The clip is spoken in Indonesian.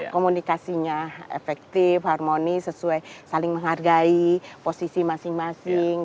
komunikasinya efektif harmonis sesuai saling menghargai posisi masing masing